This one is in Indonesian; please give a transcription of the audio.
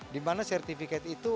di mana sertifikat itu